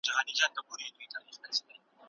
په څېړنه کې ژبني او سیمه ییز تعصب ته ځای مه ورکوئ.